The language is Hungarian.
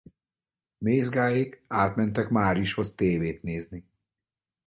Mézgáék átmentek Márishoz tévét nézni.